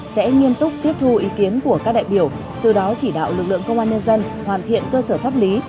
sẽ nghiêm túc tiếp thu ý kiến của các đại biểu từ đó chỉ đạo lực lượng công an nhân dân hoàn thiện cơ sở pháp lý